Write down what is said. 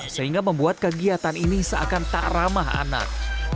sehingga membuat kegiatan ini seakan tak ramah anak